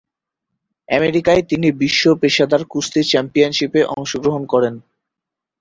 আমেরিকায় তিনি বিশ্ব পেশাদার কুস্তি চ্যাম্পিয়নশিপে অংশগ্রহণ করেন।